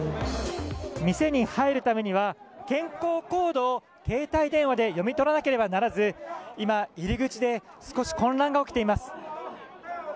店に入るためには健康コードを携帯電話で読み取らなければならず今、入り口で少し混乱が起きています。